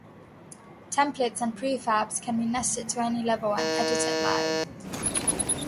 Templates and prefabs can be nested to any level and edited live.